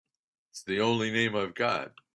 It's the only name I've got.